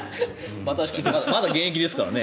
確かにまだ現役ですからね。